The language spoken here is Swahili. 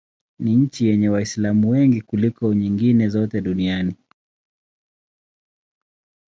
Ni nchi yenye Waislamu wengi kuliko nyingine zote duniani.